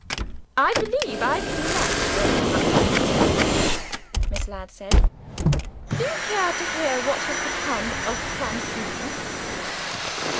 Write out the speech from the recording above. "I believe I can match your account of Mrs. Rook," Miss Ladd said. "Do you care to hear what has become of Francine?"